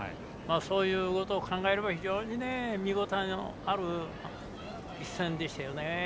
そういうことを考えれば非常に見応えのある一戦でした。